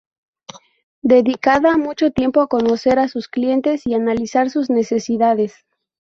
Dedicaba mucho tiempo a conocer a sus clientes y analizar sus necesidades.